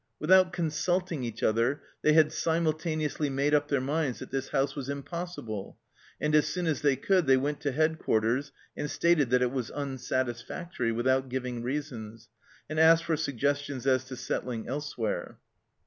Without consulting each other, they had simultane ously made up their minds that this house was im possible, and as soon as they could they went to Headquarters and stated that it was unsatisfactory, without giving reasons, and asked for suggestions as to settling elsewhere.